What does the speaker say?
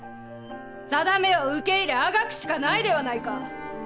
さだめを受け入れあがくしかないではないか。